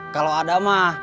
kalau ada mah